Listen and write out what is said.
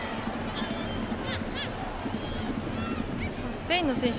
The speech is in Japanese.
スペインの選手